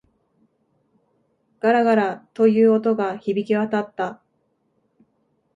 ガラガラ、という音が響き渡った。